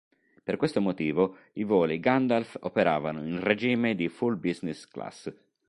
Per questo motivo i voli Gandalf operavano in regime di full business class.